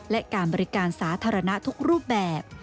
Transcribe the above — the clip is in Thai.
และการบริการสาธารณะทุกรูปแบบ